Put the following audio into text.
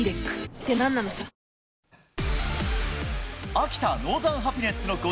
秋田ノーザンハピネッツの５